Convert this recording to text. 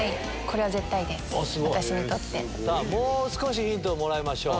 もう少しヒントをもらいましょう。